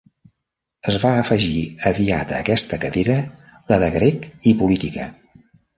Es va afegir aviat a aquesta cadira la de grec i política.